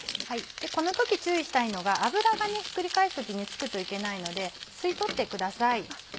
この時注意したいのが油がひっくり返す時につくといけないので吸い取ってください。